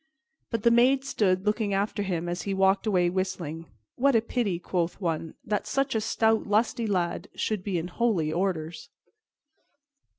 But the maids stood looking after him as he walked away whistling. "What a pity," quoth one, "that such a stout, lusty lad should be in holy orders."